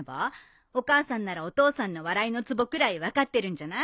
お母さんならお父さんの笑いのツボくらい分かってるんじゃない？